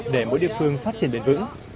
để mỗi địa phương phát triển bền vững